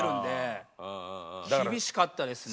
厳しかったですね。